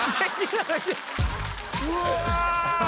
うわ！